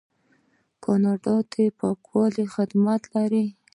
کاناډا د پاکولو خدمات لري.